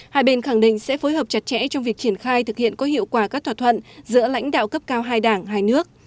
hai bên khẳng định sẽ phối hợp chặt chẽ trong việc triển khai thực hiện có hiệu quả các thỏa thuận giữa lãnh đạo cấp cao hai đảng hai nước